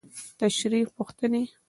تشريحي پوښتنې: